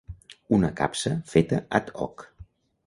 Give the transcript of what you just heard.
Una capsa feta 'ad hoc'.